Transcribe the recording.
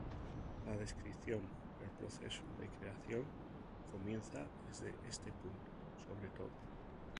La descripción del proceso de creación comienza desde ese punto, sobre todo"".